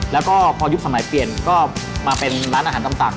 แล้วก็พอยุคสมัยเปลี่ยนก็มาเป็นร้านอาหารตำสั่ง